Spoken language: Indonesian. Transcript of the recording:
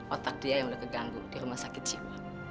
otak dia yang udah keganggu di rumah sakit jiwa